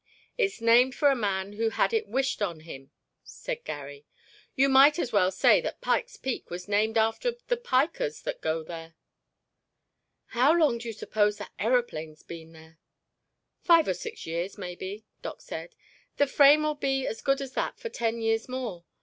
"It's named for a man who had it wished on him," said Garry. "You might as well say that Pike's Peak was named after the pikers that go there." "How long do you suppose that aeroplane's been there?" "Five or six years, maybe," Doc said. "The frame'll be as good as that for ten years more.